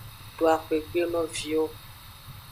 Do axwegbe no viwo.